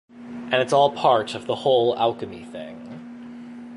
And it's all part of the whole alchemy thing.